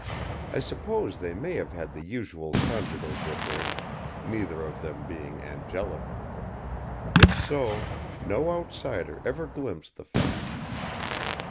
I suppose they may have had the usual conjugal differings, neither of them being angelic. If so, no outsider ever glimpsed the fact.